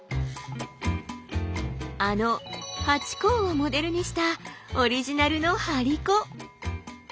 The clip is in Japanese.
あのハチ公をモデルにしたオリジナルの張り子。